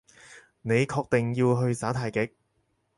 你確定要去耍太極？